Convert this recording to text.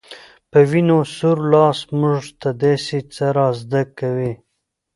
په وينو سور لاس موږ ته داسې څه را زده کوي